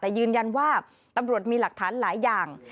แต่ยืนยันว่าตำรวจมีหลักฐานหลายอย่าง